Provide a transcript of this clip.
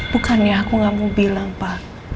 bukan ya aku gak mau bilang pa